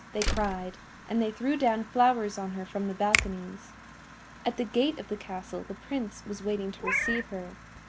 they cried, and they threw down flowers on her from the balconies. At the gate of the Castle the Prince was waiting to receive her.